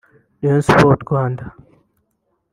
Rayon Sports (Rwanda)